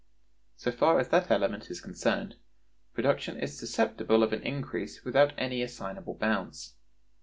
So far as that element is concerned, production is susceptible of an increase without any assignable bounds.